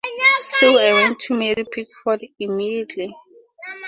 So, I went to Mary Pickford immediately.